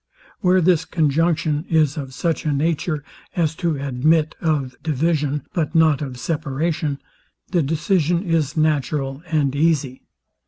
Where this conjunction is of such a nature as to admit of division, but not of separation, the decision is natural and easy.